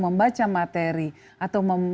membaca materi atau